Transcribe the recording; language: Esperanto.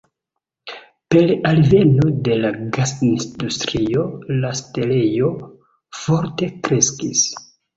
Per alveno de la gas-industrio, la setlejo forte kreskis.